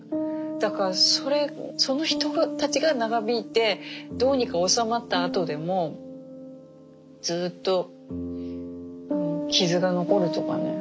だからその人たちが長引いてどうにか収まったあとでもずっと傷が残るとかね。